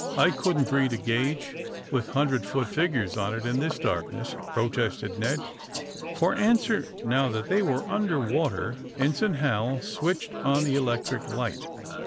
^'I couldn't read a gauge with hundred foot figures on it in this darkness," protested Ned. For answer, now that they were under water, Ensign Hal switched on the electric light.